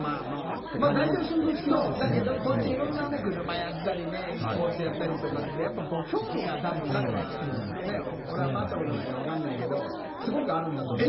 だけど、車やったりｅスポーツやったりって興味が彼は俺はあんまり会ったことがないから分からないけどすごくあるんだと思う。